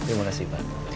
terima kasih pak